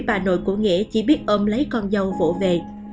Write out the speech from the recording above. bà nội của nghĩa chỉ biết ôm lấy con dâu vộ về